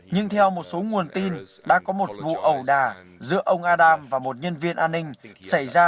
nhưng theo một số nguồn tin đã có một vụ ẩu đà giữa ông adam và một nhân viên an ninh xảy ra